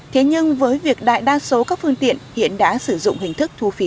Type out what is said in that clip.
thế nhưng với việc đại đa số các phương tiện hiện đã sử dụng hình thức thu phí